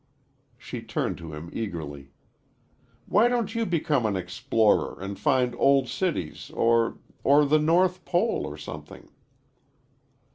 She turned to him eagerly, "Why don't you become an explorer, and find old cities or or the North Pole, or something?"